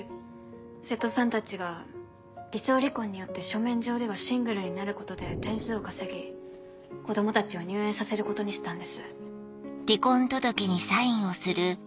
瀬戸さんたちは偽装離婚によって書面上ではシングルになることで点数を稼ぎ子供たちを入園させることにしたんです。